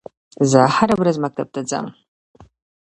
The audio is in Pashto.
زه هره ورځ مکتب ته ځم